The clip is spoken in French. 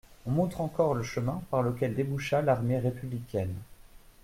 On montre encore le chemin par lequel déboucha l'armée républicaine.